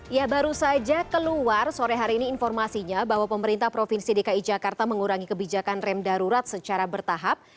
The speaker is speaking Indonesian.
ya baru saja keluar sore hari ini informasinya bahwa pemerintah provinsi dki jakarta mengurangi kebijakan rem darurat secara bertahap